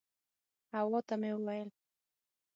حوا ته مې وویل.